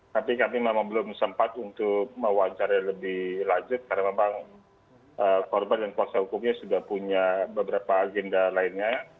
tapi kami memang belum sempat untuk mewawancari lebih lanjut karena memang korban dan kuasa hukumnya sudah punya beberapa agenda lainnya